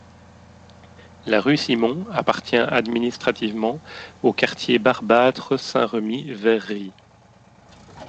La rue Simon appartient administrativement au Quartier Barbâtre - Saint-Remi - Verrerie.